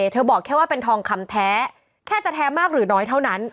บอกแค่ว่าเป็นทองคำแท้แค่จะแท้มากหรือน้อยเท่านั้น